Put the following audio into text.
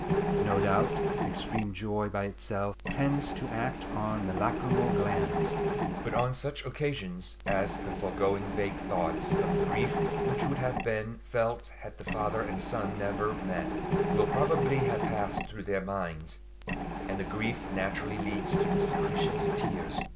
No doubt extreme joy by itself tends to act on the lacrymal glands; but on such occasions as the foregoing vague thoughts of the grief which would have been felt had the father and son never met, will probably have passed through their minds; and grief naturally leads to the secretion of tears.